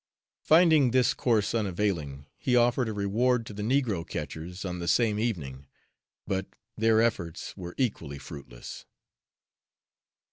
Finding this course unavailing, he offered a reward to the negro catchers, on the same evening, but their efforts were equally fruitless.